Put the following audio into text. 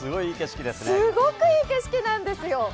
すごくいい景色なんですよ。